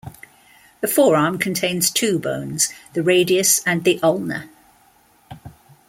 The forearm contains two bones: the radius and the ulna.